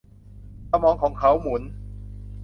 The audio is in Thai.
สมองของเขาหมุน